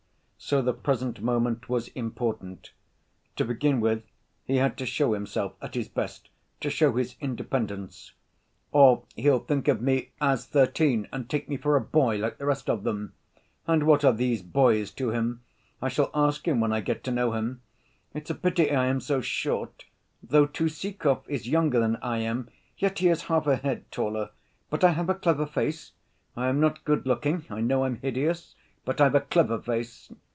So the present moment was important: to begin with, he had to show himself at his best, to show his independence, "Or he'll think of me as thirteen and take me for a boy, like the rest of them. And what are these boys to him? I shall ask him when I get to know him. It's a pity I am so short, though. Tuzikov is younger than I am, yet he is half a head taller. But I have a clever face. I am not good‐looking. I know I'm hideous, but I've a clever face.